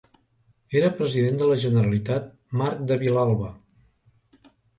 Era President de la Generalitat Marc de Vilalba.